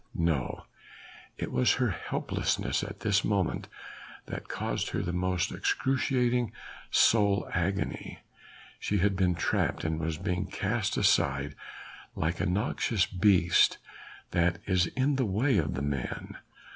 No! it was her helplessness at this moment that caused her the most excruciating soul agony. She had been trapped and was being cast aside like a noxious beast, that is in the way of men.